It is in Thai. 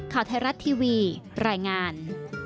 ข่าวไทยรัฐทีวีรายงาน